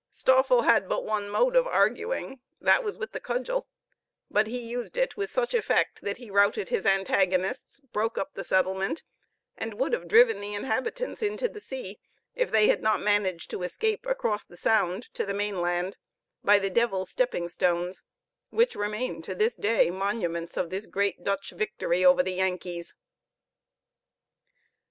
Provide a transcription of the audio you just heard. Stoffel had but one mode of arguing that was with the cudgel; but he used it with such effect that he routed his antagonists, broke up the settlement, and would have driven the inhabitants into the sea, if they had not managed to escape across the Sound to the mainland by the Devil's Stepping stones, which remain to this day monuments of this great Dutch victory over the Yankees.